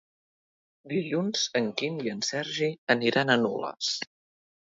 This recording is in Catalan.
Dilluns en Quim i en Sergi aniran a Nules.